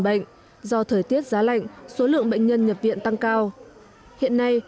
bệnh do thời tiết giá lạnh số lượng bệnh nhân nhập viện tăng cao hiện nay